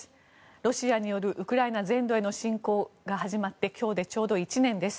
ロシアによるウクライナ全土への侵攻が始まって今日でちょうど１年です。